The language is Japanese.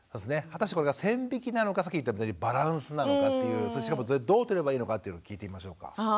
果たしてこれが線引きなのかさっき言ったバランスなのかっていうしかもそれどうとればいいのかっていうのを聞いてみましょうか。